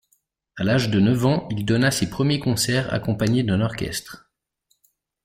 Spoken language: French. À l'âge de neuf ans, il donna ses premiers concerts accompagné d'un orchestre.